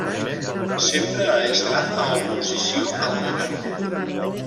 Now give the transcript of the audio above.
Sempre ha estat a oposició al govern.